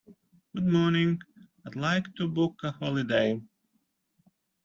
Good morning, I'd like to book a holiday.